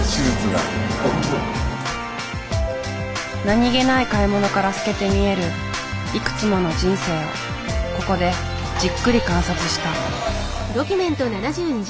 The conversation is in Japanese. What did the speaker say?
何気ない買い物から透けて見えるいくつもの人生をここでじっくり観察した。